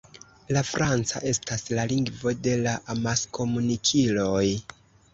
La franca estas la lingvo de la amaskomunikiloj.